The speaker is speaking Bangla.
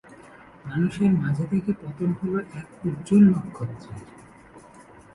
মানুষের মাঝে থেকে পতন হল এক উজ্জ্বল নক্ষত্রের!